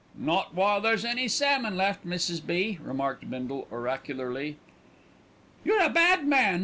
"Not while there's any salmon left, Mrs. B.," remarked Bindle oracularly. "You're a bad man.